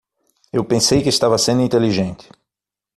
Eu pensei que estava sendo inteligente.